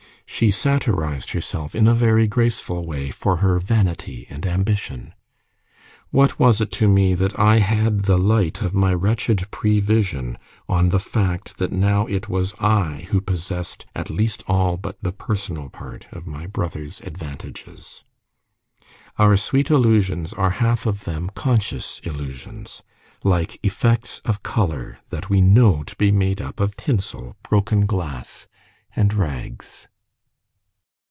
She satirized herself in a very graceful way for her vanity and ambition. What was it to me that I had the light of my wretched provision on the fact that now it was I who possessed at least all but the personal part of my brother's advantages? Our sweet illusions are half of them conscious illusions, like effects of colour that we know to be made up of tinsel, broken glass, and rags.